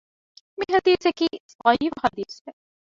މިޙަދީޘަކީ ޟަޢީފު ޙަދީޘެއް